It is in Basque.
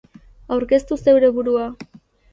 Aurkeztu zeure burua.